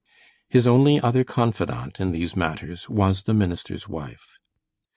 His only other confidant in these matters was the minister's wife.